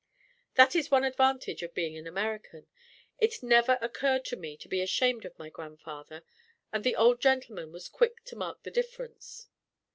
That is one advantage of being an American: it never occurred to me to be ashamed of my grandfather, and the old gentleman was quick to mark the difference.